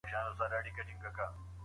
مثبت معلومات مو ذهن ته رڼا ورکوي.